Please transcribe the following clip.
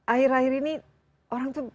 akhir akhir ini orang tuh